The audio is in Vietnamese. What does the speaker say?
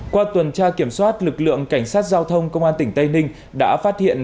qua tuần tra kiểm soát lực lượng cảnh sát giao thông công an tỉnh tây ninh đã phát hiện